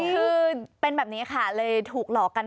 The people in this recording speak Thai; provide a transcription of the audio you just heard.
คือเป็นแบบนี้ค่ะเลยถูกหลอกกัน